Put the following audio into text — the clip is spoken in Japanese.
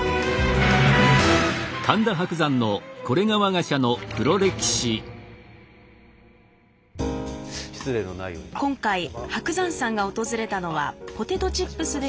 今回伯山さんが訪れたのはポテトチップスで有名なこの会社。